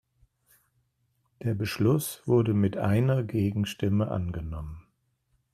Der Beschluss wurde mit einer Gegenstimme angenommen.